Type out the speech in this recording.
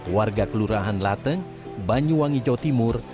warga kelurahan lateng banyuwangi jawa timur